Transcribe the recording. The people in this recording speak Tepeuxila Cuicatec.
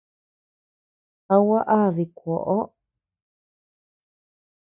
¿A gua á dikuoʼo?